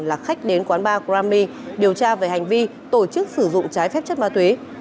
là khách đến quán ba grami điều tra về hành vi tổ chức sử dụng trái phép chất ma túy